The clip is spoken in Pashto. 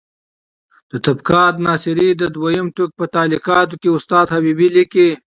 د طبقات ناصري د دویم ټوک په تعلیقاتو کې استاد حبیبي لیکي: